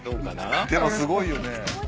でもすごいよね。